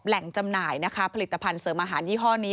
จำหน่ายนะคะผลิตภัณฑ์เสริมอาหารยี่ห้อนี้